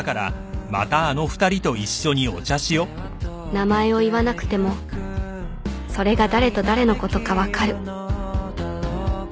名前を言わなくてもそれが誰と誰のことか分かる